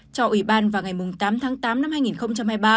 cho ủy ban vào ngày tám tháng tám năm hai nghìn hai mươi ba